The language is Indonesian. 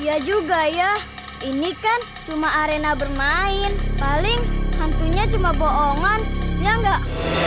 iya juga ya ini kan cuma arena bermain paling hantunya cuma bohongan ya enggak